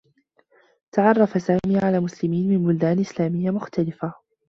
تعرّف سامي على مسلمين من بلدان إسلاميّة مختلفة.